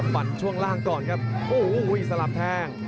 ช่วงล่างก่อนครับโอ้โหสลับแทง